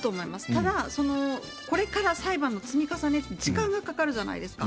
ただ、これから裁判の積み重ねって時間がかかるじゃないですか。